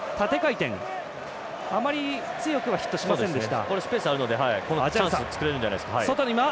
あまり強くはヒットしませんでした。